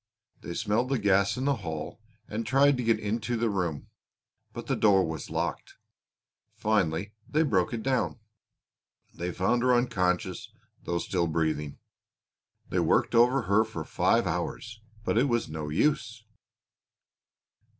They smelled the gas in the hall and tried to get into the room, but the door was locked; finally they broke it down. They found her unconscious though still breathing; they worked over her for five hours, but it was no use."